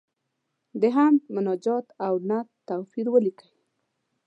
د حمد، مناجات او نعت توپیر ولیکئ.